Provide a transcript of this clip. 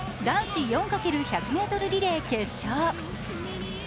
男子４×１００ｍリレー決勝。